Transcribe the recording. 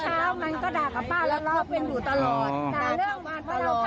แต่เรื่องวันพ่อเราข้ารามัยแสดงไว้ที่หละว่ามึงมึงมึงน่ะก็ลูกค้า